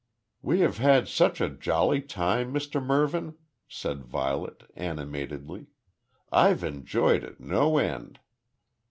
"We have had such a jolly time, Mr Mervyn," said Violet, animatedly. "I've enjoyed it no end."